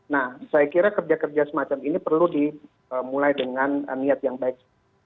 nah saya kira kerja kerja semacam ini perlu dimulai dengan niat yang baik